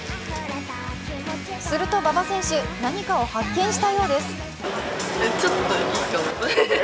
すると馬場選手、何かを発見したようです。